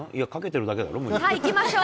さあ、いきましょう。